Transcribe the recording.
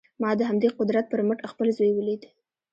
ما د همدې قدرت پر مټ خپل زوی وليد.